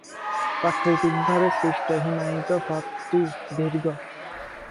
প্রাকৃতিকভাবে সৃষ্ট হিমায়িত পথটি দীর্ঘ।